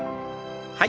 はい。